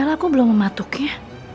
padahal aku belum mematuknya